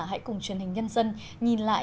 hãy cùng truyền hình nhân dân nhìn lại